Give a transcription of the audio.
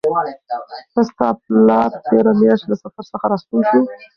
آیا ستا پلار تېره میاشت له سفر څخه راستون شو؟